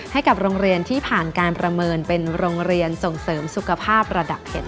ให้กับโรงเรียนที่ผ่านการประเมินเป็นโรงเรียนส่งเสริมสุขภาพระดับเห็ด